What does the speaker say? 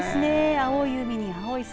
青い海に青い空。